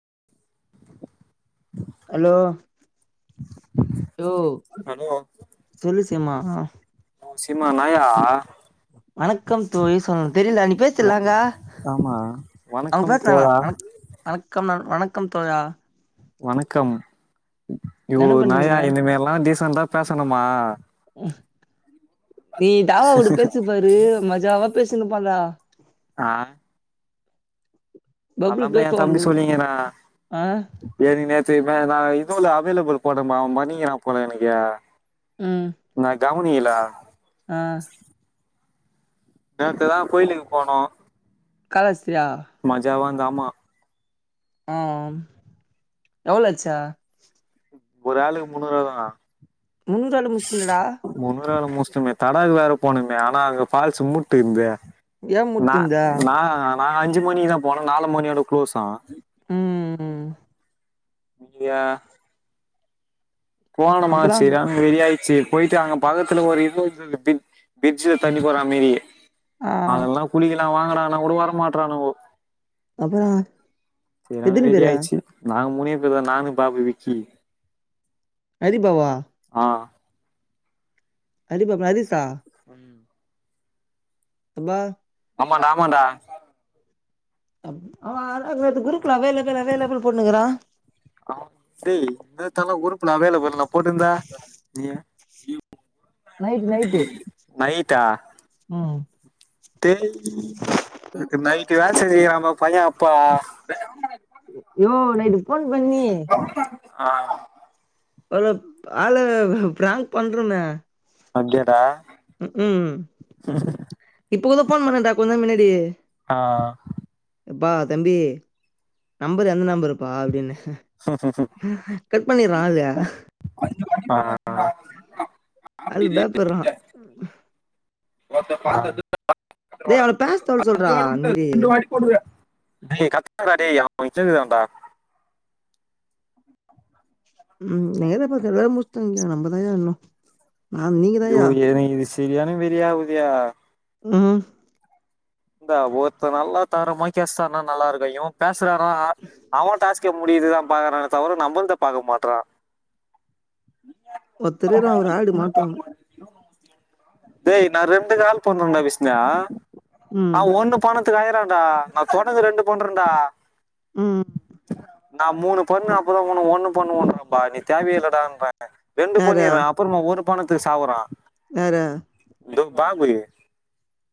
[inaudible] Hello யோ hello சொல்லு சேமா ந சிமா நயா வணக்கம் தோழி சொல்லு தெரியல நீ பேசிடலாங்க ஆமா அவங்க வணக்கம் பேசலாண தோழா வணக்கம் ந வணக்கம் கடகம் தோழா வணக்கம் என்ன நாயா பண்றீங்க இனிம எல்லாம்ச ந்தா பேசணுமா [inaudible] நீ தாவா விடு பேசு பாரு மஜாவா பேசுங்க பறா ஆஹ் [inaudible] அதமா என் பேசுவான் தம்பி பாரு சொல்லீங்கன்னா ஆ ஏ நீ நான் இதுவும்ல அவைலபிள் போடமா அவன் பண்ணிக்கிறான் போல எனக்கு ம் புனியலா ஆஹ் நேக்குதான் கோயிலுக்கு போனோம் காலகஸ்தியா ஆம்மா ஆஹ் எவ்வளச்சா ஒரு ஆளுக்கு முன்னூறுப தான முநன்னூறு ஆள் முஸ்லிம்டா வேலை மூச்ச்டுமே தடாக்கு வேற போணுமே ஆனா அங்க ஃபால்ஸ் மூட்டு இருந்த ஏன் ந முட்டுந்தா ந நாங்க அஞ்சு மணி தான் போனோ‌ நாலு மணியோட கு்ளோஸ்சா ம் ம் இய போணமா அப்புறோ சீரா வெரி சரி போயிட்டு அங்க பக்கத்துல ஒரு இடத்துக்கு பிரிட்ஜில தண்ணி போற மாரி ஆ அதெல்லா குளிக்க ந வாங்கறான் நான் உ வர மாட்டறான் அப்றோ சரியான வெளியாச்சு நா முனியப்பதா நானு பாபு விக்கி அரி பாவா ஆஹ நரிசா அப்ப ஆமாண்டா ஆமாண்டா அப் ஆனா அது அது நேத்து குரூப்புல அவைலபிள் அவைலபிள் போட்ணுக்கிறா சரி குருப்புல அவைலபுல்னாலா போட்டிருந்த நீ நைட்டு நைட்டு நைட்டா ம் டேய் நேத்து நைட்டுதா சேரி அவுங்கோ பைய அப்போ யோ நைட்டு போன் பண்ணி ஆ ஆளு ஆள பிராங்க் பண்றோன்னு அப்டியாடா ம்க்கும் இ ப்ப கூட போன் பண்ணேன்டா கொஞ்ச நேரோ முன்னாடி ஆ ஏப்பா தம்பி நம்பர் எந்த நம்பருப்பா அப்டின்னே கட் பண்ணிர்றா ஆளு ஆ அது பயப்பட்றா ம் ஆ டேய் அவள பேச சொல்ல சொல்றா அந்த மாரி டேய் கத்துக்குங்கடா டேய் அவே [unintelligible] ம் நீயேதா இப்ப [unintelligible] முட்ச் ட்ட இங்க நம்பதாயா இன்னு நா யோ நீங்கதாயா ஏன்னா இது செரியான வெறி ஆவுதுயா ம் இந்தா ஒருத்த நல்லா தரமா பேசுனானா நல்லா இருக்கு இவே பே சுறான்னா அவ டாஸ் க்க முடிக்கிறக்குதா பாக்கறானே தவிர நம்முள்த பாக்க மாட்றா ஒர்த்த இருக்குறா ஒரு ஆடு மாட்டோனு டேய் நா ரெண்டு கால் பண்ணண்டா விஷ்ணா ம் அவ ஒண்ணு பண்றது க்கு அழறாண்டா நா தொடர்ந்து ரெண்டு பண்றண்டா ம் நா மூணு பண்ணா அப்பதா ஒண்ணு ஒண்ணு பண்ணுவோன்றாம்ப்பா நீ தேவையே இல்லடான்றே ரெண்டு யாரு பண்ணிர்றே அப்புறமா ஒரு பணத்துக்கு சாவுறா யாரு இது பாபி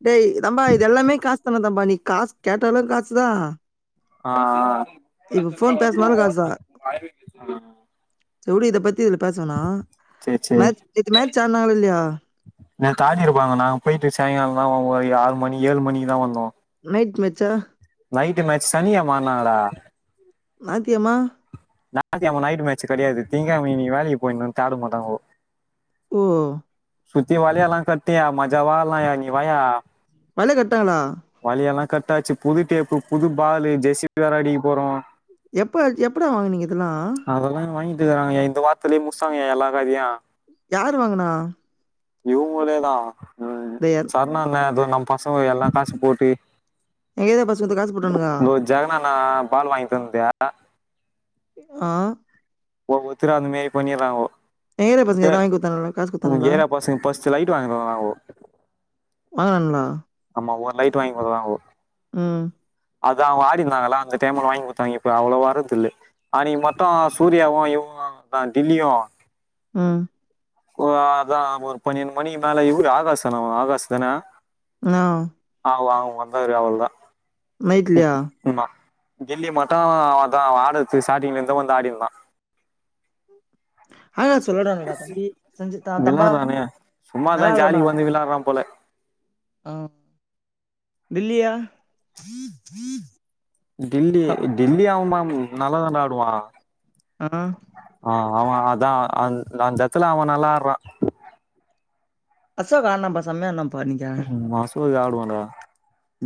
டேய் தம்பா இது எல்லாமே காசுதான தம்பா நீ காசு கேட்டாலு காசுதா ஆ ஆ இப்ப ஃபோன் பேசினாலும் [inaudible] செரி உடு இதப்பத் தி இதுல பேச வேணா சேரி சேரி மேட்ச் நேத்து மேட்ச் ஆடுனாங்களா இல்லயா நேத்து [unintelligible] கிட்ட போனோ நாங்க போயிட்டு சாயங்காலந்தாப்பா ஒரு ஆறு மணி ஏழு மணிக்குதா வந்தோ நைட் மேட்சா நைட்டு மேட்ச் சனிக்கெழமனாடா நாய்த்துக்கெழம ஞாயித்துக்கெழம நைட்டு மேட்ச்சு கெடையாது திங்க்கெழம இன்னக்கி வேலக்கி போயினுன்னு தேடமாட்டாங்கோ ஓ சுத்தி வலையெல்லா கட்டி ஆ மஜாவா ஆட்லாய்யா நீ வாய்யா வல கட்றாங்ளா கட்டாச்சு புது டேப்பு புது பாலு ஜெர்சி வேற அடிக்கப் போறோ எப்ப அட்ச் எப்படா வாங்குனீங்க இதெல்லா ட்றாங்கய்யா இந்த வாரத்துலயே முட்சாட்டங்கய்யா எல்லா கா இதயு யாரு வாங்குனா இவுங்களேதா ம் சர்ணான்னே அது நம் பசங்க எல்லா காசு போட்டு எங்க ஏரியா பசங்க காசு போட்டானுங்களா தோ ஜகனண்ணா பால் வாங்கி தந்துது ஆ ஒவ்வொருத்தரு அந்த மேரி பண்ணிர்றாங்கோ எங்க ஏரியா பசங்க ஏ இதெல்லாம் வாங்கி கொடுத்தானுங்களா காசு உங்க கொடுத்தானுங்களா ஏரியா பசங்க ஃபஸ்ட்டு லைட்டு வாங்குறோன்னாங்கோ வாங்கறானுகளா அவுங்க லைட் வாங்கி குடுக்குறானுவோ ம் அது அவுங்க ஆடினுருந்தாங்கல்ல அந்த டைம்ல வாங்கி குடுத்தாங்க இப்ப அவ்ளவா வர்து இல்ல அன்னக்கி மட்டு சூர்யாவு இவ ஆ டில்லியு ம் ஒரு அதா ஒரு பன்னெண்டு மணிக்கு மேல இவரு ஆகாஷ் தான அவுங்க ஆகாசஷ் தான ஆ அவுரு அவுரு வந்தாரு அவ்ளவுதா ம் நைட்லையா ஆமா டெல்லி மட்டு அதா ஆகஸ்ட் ஸ்டார்ட்டிங்ல இருந்தே வந்து ஆடிந்தா உஹ [inaudible] தம்பா விளாடுறானே சும்மாதா நல்லா ஆடோண்ணா ஜாலிக்கு வந்து விளாடுறா போல ஆ பில்லியா டில்லி டில்லி ஆவுமா நல்லா தான்டா ஆடுவா ஆனா ஆ அவ அதா அந்தஎத்துல அவ நல்லாட்றா அசோக் ஆன்னாப்பா செமையா இந்தாப்பா உ மசு [unintelligible] போடா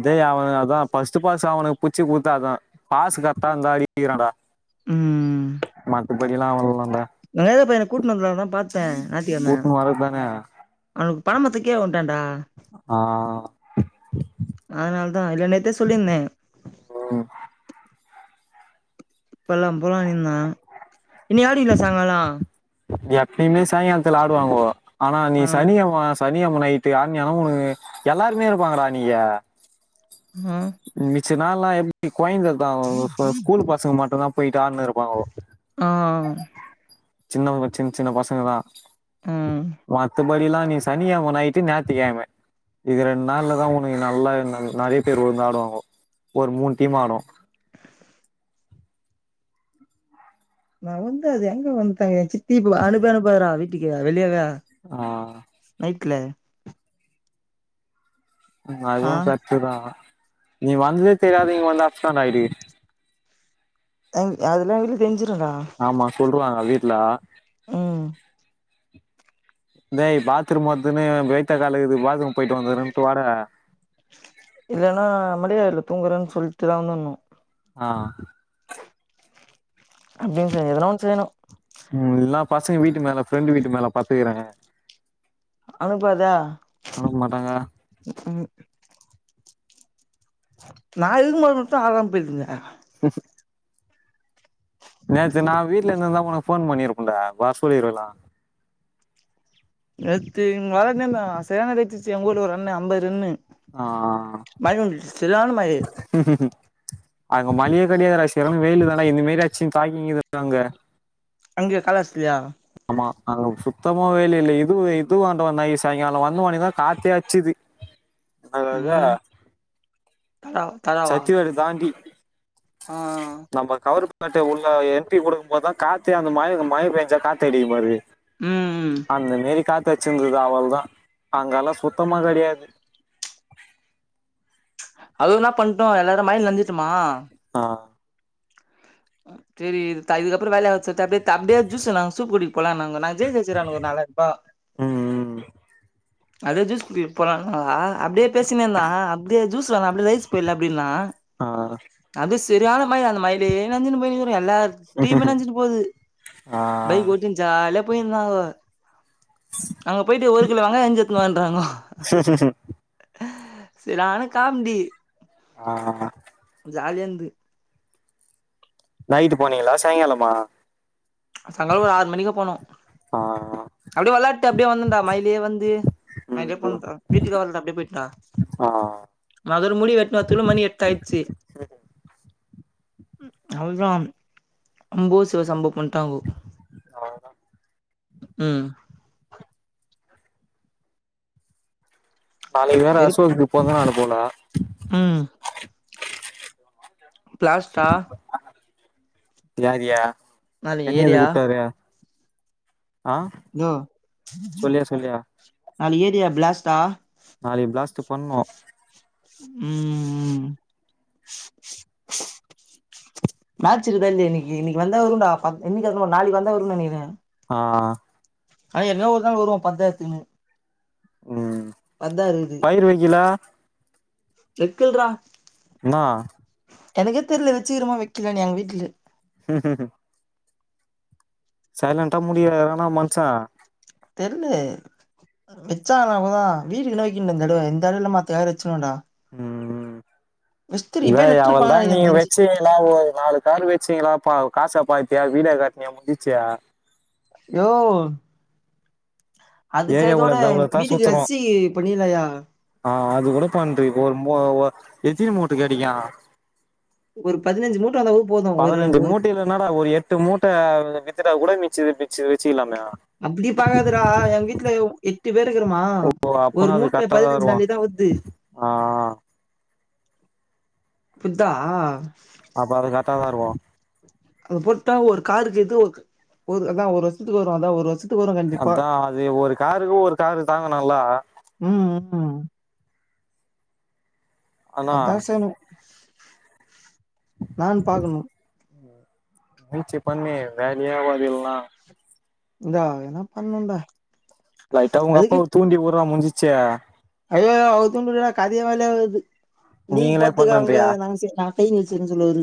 டேய் அவ அதா ஃபஸ்ட்டு பாஸ் ச்சா அவனுக்கு பிச்சி குடுத்தாதா பாசு கட்த்தா இந்தா அடிக்கிறாடா மாட்டு படிலா [unintelligible] நா பையன கூட்டுணு வந்துருலான் தா பாத்தே நாட்டிக்கெழம கூட்னு வரதுதானே அவனுக்கு பணமத்துக்கீழ உண்டாண்டா ஆ அதனால தா இல்ல நேத்தே சொல்லியிருந்தே ம் போலா போலானிந்தா இனி ஆடிலா சாங்காளா எப்பயுமே சாயங்காலத்துல ஆடுவாங்கோ ஆனா நீ ஆ சனி அமசா சனி அம்ம நைத்து ஆனியன உனகு எலாருமே இருபாங்கடா அணிகு ஆ சினலா இருக் கோயந்த தா ஸ்கூல் பசங்க மட்டுதா போயிடானு இருபாங்க ஆ சின்னவக சின் சின்ன பசங்க லா ஆ மத்தபடில நீ சனிகெயம நைடு நாயதிகெயம இது ரெண்டு நாள்ல தா உனகு நலா நெறய பேர் உழ்ந்து ஆடுவாகோ ஒரு மூணு டீம் ஆடு நா வந்து அது எங்க வந்துங்க ச இப்புவ அனுப அனுபறா வி டிகியா வெளியவ ஆ க்கில ஆ அதுவு சத்துதா நீ வந்ததே தெராது நீங்கந்து அசிடான்டா ஐடி அங் அதெல்லா எங்க வீட்டுல தெரிஞ் ஆமா சொலுறுவாக வீ இல்லா ம் தே பாத்ரூவர்தனு வெயத்த கலகுது பாத்ரூ இல்லனா மடியல்லு துங்கறனு சொல்ட்டுதா வந்துனு ஆ அப்பிடினு செய எதனா ஒன்னு செய்யணு ம் இல்னா பசங்க வீட்டு மேல ஃப்ரெண்டு் வீட்டு மேல பத்துக்றே அனுபாதா ம் நா இருகக்மோ மட்டு ஆரம்பிருங்க ஹு ம் நேத்து நா வீட்ல இந்துதா உனக் ஃபோன் பண்ணிருபடா வர சொல்லிருகலா நேத்து இங்க வரதந்த சரியானசிருசி எங்க ஊர்ல ஒரு அண்ண அம்பது ரன்னு ஆ திதானமாய் உஹம் அங்க மளிககடியே கெடாது செரான வெயிலு தாண்டா இந்தமேரி அச்சிதாகிகது அங்க அங்க காளாஸ்திலியா ம்மா அங்க சுத்தமாவே ல்லேலெ இது இதுவாண்ட வந் சாய்ங்காலோ வந்தவொனேதா காத்தே அட்சிது ஆ அதா ம் தடா தடாவா சத்திவேடு தாண்டி ஆ நம்ம கவரு காட்டு உள்ள என்ட்ரி குடுக்கு போதுதா காத்தே அந்த மயங் மயபெஞ்சா காத் தேடிக்கு பாரு ம் ம் அந்த மேரி காத் தச்சிங்குதா அவுள்தா அங்கலா சுத்தமா கெடயாது அதுன்னா பண்ட்டோ எல்லாரு மய்ல நெஞ்சிட்டுமா ஆ செரி இது த இதுக்குஅப்றோ வேலய ஆ [unintelligible] அப்டே ஜூஸ் நா சூப்பு குடிக்க போலா நாங்க நா ஜெய் ஜெய்ச்வெசிர்காங்க ஒரு நாளாய்ர்பா ம் ம் அதே ஜூஸ் குடிக்க போலா அ அப்டியே பேசினேன்தா அப்டியே ஜூஸ் வேணா அப்டியே ரைஸ் போய்ல அப்டின்னா ஆ அப்டேஸ் செரியான மய அந்த மய்லே நெஞ்சுனு போய்னு எல்லார்டீம்னு நெஞ்சிட்டு போது பைக் ஆ கோட்டினு ஜாலியா போய்ந்தாங்க அங்க போய்டு ஒரு கிலோ வெங்காயோ அரிஜ்சு எத்துனுவாண்றாங்கோ செரானகாம்டி ஆ ஆ ஆ ஜாலியாந்து நைட்டு போனீங்களா சாய்ங்காலமா சாய்ங்காலோ ஒரு ஆறு மணிக்கா போனோ ஆ அப்டியே வெளாட்டு அப்டியே வந்தென்டா மயலியே வந்து மயலியே ம் போன்ற வீட்டுக்கே வர்லடா அப்டே போய்டண்டா ஆ மதர முடி வெட்ணு வரதுகுள்ள மணி எட் டாய்சு அவுள்தா அம்போ சிவ சம்போ வண்டாங்கோ அவ்ளோதா உ நாளைக்கு வேற அசோக்கு பொற்ந்தநாலு போல உ பிளாஸ்டா தியாகியா நாலு என்ன ஏரியா எதுக்கூப்டாரு ஆ யோ சொல்லியா சொல்லியா நாளு ஏரியா பிளாஸ்டா நாளைக்கு பிளாஸ்ட்டு பண்ணோ உ உ மேட்ச் இருகுதா இல்லியா இன்னிக்கு இன்னிக்கு வந்தா வரும்டா பாத் நாளிக்கு வந்தா வருனு நெனைகிறே ஆ ஆனா என்ன ஒரு நாள் வருவா பந்தாயத்துன்னு உ பயிர் வைக்கிலா நக்குல்றா என்னா எனக்கே தெருல வச்சக்கிரோமா வைக்கல எங்க வீட்டுல ம்ம் சைலன்டா முடியானா மனுஷன் தெரியலு வச்சாங்காதா வீட்டுக்கு நோைக்கன் இந்தட இந்த இடையல மாத்தயார வச்சனடா இத் இப்பயே அவள தா நட்ருப்பாங்கன்னு நெனைக்கிறே நீங்க எனக்கு தெரிஞ்சு வச்சீங்களா ஒரு நாலு காறு வச்சீங்களா காசைப்பாத்தியா வீட காட்டுனியே முடிச்சியா யோவ் அது ஏரியாவுல சைதோட தவ்ளத்தா வீட்டுக்கு சுத்துறோ அச்சி பண்ணியிலையா ஆ அது கூட பண்றி ஒரு எத்தினி மூட்ட கெடைக்கு ஒரு பதினஞ்சு மூட் பதினஞ்சு மூட்டைய்ல என்னடா ஒரு எட்டு மூட்ட கூட மிச்சுச்சு வச்சு இல்லாமே அப்டி பாக்காதடா எ வீட்ல எட்டு பேர் இருக்கிறமா ஓ ஒரு அப்பனா அது மூட்ட கரெக்டாதா பதினஞ்சு இருக்கு நாள்தா வருது ஆ புர்தா அப்ப அது கரட்டாதா வருவோம் அது போட்டா ஒரு காருக்கு ஏது ஒரு அதா ஒரு வருஷத்துக்கு வருல அதா ஒரு வருஷத்து அதா அது ஒரு காருக்கு ஒரு காரு தாங்கணுல்ல ம் ம் ஆனா அதாசனு நான் பாக்கணு நீச்சை பண்ணே வேலையாவதுல்லலாம் இதா ஏனா பண்ணும்ந்தா லைட்ட அவுங்க அப்பாவ தூண்டி ஊரா முஞ்சி ச அய்யோ அவுதுடா காதயே வேலயாகாது நீங்க நீங்களே போத்துக்க அங்க பண்ணுன்றியா நாங்க சு சொல்லரு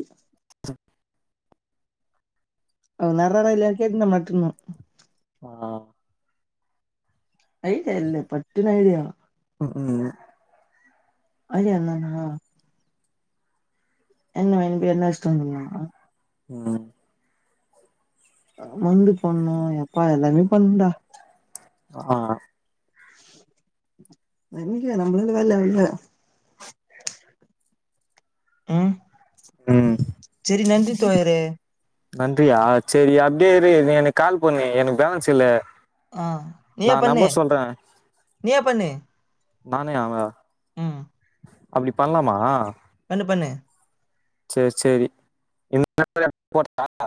நரட இல்ல கேட்டு நம் நட்டு இருந்தோம் ஆ ஐடியா இல்லே பட்டின ஐடியா உம் உம் அது அல்லங்கா என்ன வேன பே என்ன இஷ்டம் வந்தா உம் வந்து போண்ணு எப்பா எல்லாமே பண்ணண்டா ஆ எங்க நம்ளல்ல வேல்ல இல்ல உம் ம். சரி நந்றி சோய்ரே நன்றியா சரி அப்டியே இரு நீ எனக்கு கால் பண்ணு எனக்கு பேலன்ஸ் இல்ல ஆ நீயே பண்ணு நீயா பண்ணு நானே ஆமா உ அப்டி பண்லாமா பண்ணு பண்ணு சரி சரி [inaudible]